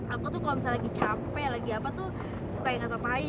aku tuh kalau misalnya lagi capek lagi apa tuh suka ingat ngapain